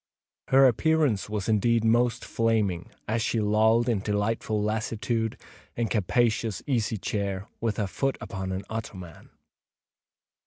Her appearance was indeed most flaming, as she lolled, in delightful lassitude, in a capacious easy chair, with her foot upon an ottoman.